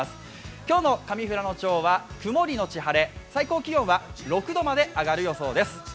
今日の上富良野町は曇りのち晴れ、最高気温は６度まで上がる予報です。